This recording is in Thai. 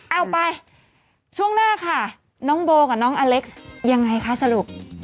เอาไปช่วงหน้าค่ะน้องโบกับน้องอเล็กซ์ยังไงคะสรุป